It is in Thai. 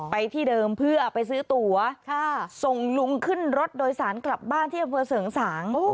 ที่เดิมเพื่อไปซื้อตั๋วส่งลุงขึ้นรถโดยสารกลับบ้านที่อำเภอเสริงสาง